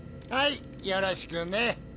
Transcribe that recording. はいよろしくね。